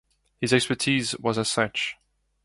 His expertise was as such.